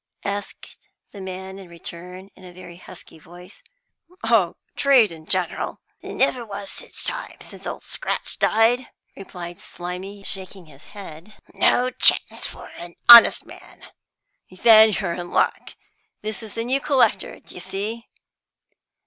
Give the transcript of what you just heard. asked the man in return, in a very husky voice. "Oh, trade in general." "There never was sich times since old Scratch died," replied Slimy, shaking his head. "No chance for a honest man." "Then you're in luck. This is the new collector, d'you see."